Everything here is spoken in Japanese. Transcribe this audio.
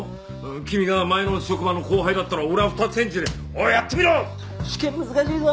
君が前の職場の後輩だったら俺は二つ返事で「おっやってみろ！試験難しいぞ。